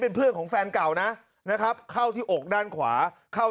เป็นเพื่อนของแฟนเก่านะนะครับเข้าที่อกด้านขวาเข้า